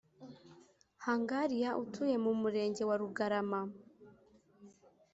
Hangariya utuye mu murenge wa Rugarama